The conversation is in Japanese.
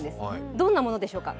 どんなものでしょうか。